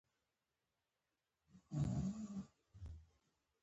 په دې ښوونځي کې د علمي او فرهنګي فعالیتونو لپاره چانس شته